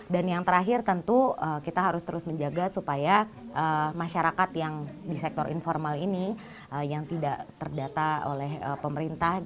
dan yang terakhir tentu kita harus terus menjaga supaya masyarakat yang di sektor informal ini yang tidak terdata oleh pemerintah